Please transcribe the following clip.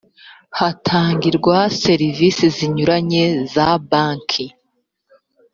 hatangirwa serivisi zinyuranye za banki